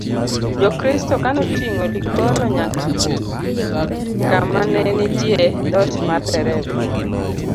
jokristo ka notingo Likono nyaka ka ma ne nitie dhot mar dereba